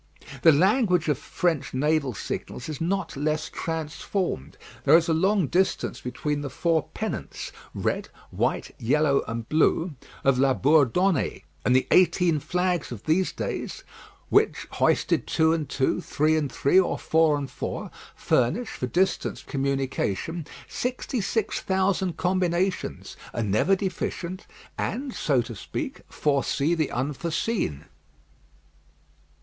The language of French naval signals is not less transformed; there is a long distance between the four pennants, red, white, yellow, and blue, of Labourdonnaye, and the eighteen flags of these days, which, hoisted two and two, three and three, or four and four, furnish, for distant communication, sixty six thousand combinations, are never deficient, and, so to speak, foresee the unforeseen.